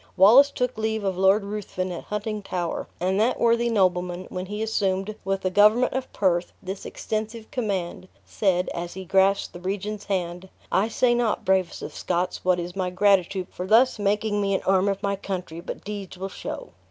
Wallace took leave of Lord Ruthven at Huntingtower, and that worthy nobleman, when he assumed, with the government of Perth, this extensive command, said, as he grasped the regent's hand, "I say not, bravest of Scots, what is my gratitude for thus making me an arm of my country, but deeds will show!"